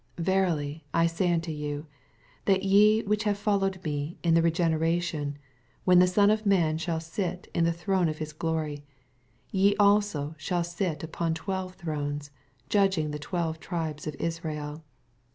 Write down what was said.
Verily I say unto you, That ye whicn have followed me in the regeneration, when the Son of man shall sit in the throne of his glory, ye also shall sit upon twelve thrones, judging the twelve tribes of Israel.